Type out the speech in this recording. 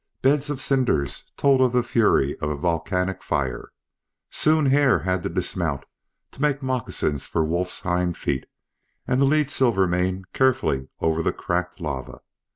Beds of cinders told of the fury of a volcanic fire. Soon Hare had to dismount to make moccasins for Wolf's hind feet; and to lead Silvermane carefully over the cracked lava.